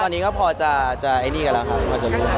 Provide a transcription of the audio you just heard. ตอนนี้ก็พอจะไอ้นี่กันแล้วครับพอจะรู้